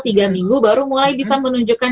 tiga minggu baru mulai bisa menunjukkan